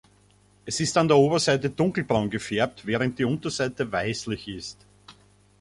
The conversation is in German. Es ist an der Oberseite dunkelbraun gefärbt, während die Unterseite weißlich ist.